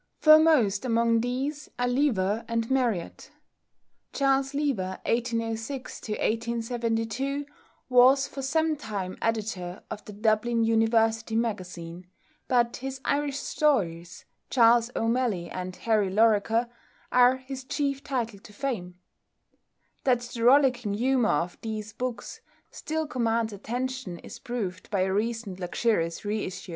Foremost among these are Lever and Marryat. =Charles Lever (1806 1872)= was for some time editor of the Dublin University Magazine, but his Irish stories, "Charles O'Malley" and "Harry Lorrequer" are his chief title to fame. That the rollicking humour of these books still commands attention is proved by a recent luxurious re issue of them.